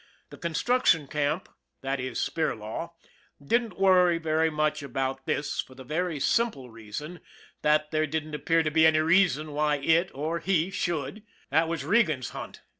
The construction camp, that is Spirlaw, didn't worry very much about this for the very simple reason 134 ON THE IRON AT BIG CLOUD that there didn't appear to be any reason why it, or he, should that was Regan's hunt.